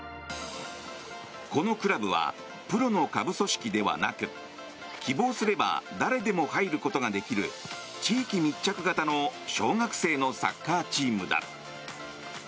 このクラブはプロの下部組織ではなく希望すれば誰でも入ることができる地域密着型の小学生のサッカーチームだ。